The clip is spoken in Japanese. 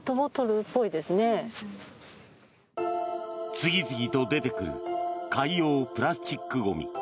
次々と出てくる海洋プラスチックゴミ。